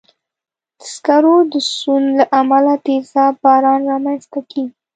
د سکرو د سون له امله تېزاب باران رامنځته کېږي.